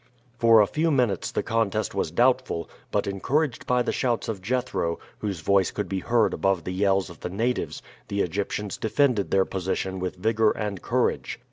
For a few minutes the contest was doubtful, but encouraged by the shouts of Jethro, whose voice could be heard above the yells of the natives, the Egyptians defended their position with vigor and courage.